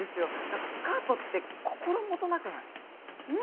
何かスカートって心もとなくない？